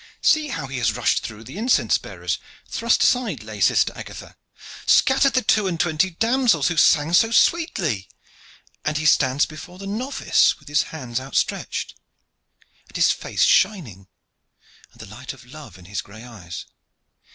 See how he has rushed through the incense bearers, thrust aside lay sister Agatha, scattered the two and twenty damosels who sang so sweetly and he stands before the novice with his hands out stretched, and his face shining, and the light of love in his gray eyes.